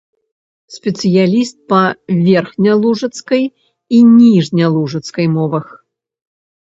Спецыяліст па верхнялужыцкай і ніжнялужыцкай мовах.